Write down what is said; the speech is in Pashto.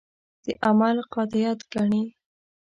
د عمل قاطعیت ګڼي.